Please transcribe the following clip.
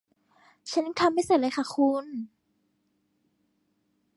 ฉันยังทำไม่เสร็จเลยค่ะคุณ